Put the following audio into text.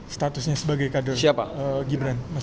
statusnya sebagai kader siapa gibran